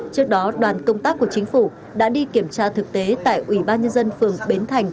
trước đó đoàn công tác của chính phủ đã đi kiểm tra thực tế tại ủy ban nhân dân phường bến thành